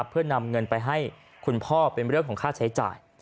เพื่อนำเงินไปให้คุณพ่อเป็นเรื่องของค่าใช้จ่าย